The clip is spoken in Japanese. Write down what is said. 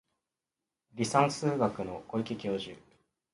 離散数学の小池教授